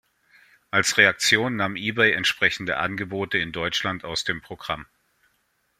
Als Reaktion nahm E-Bay entsprechende Angebote in Deutschland aus dem Programm.